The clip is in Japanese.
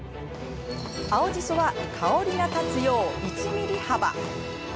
青じそは香りが立つよう１ｍｍ幅。